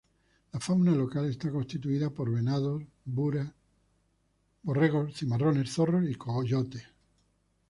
La fauna local está constituida por venados bura, borregos cimarrones, zorros y coyotes.